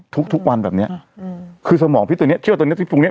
ทุกวันแบบเนี้ยอืมคือสมองพิษตัวเนี้ยเชื่อว่าตัวเนี้ยพิษตรงเนี้ย